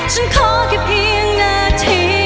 ฉันขอแค่เพียงนาที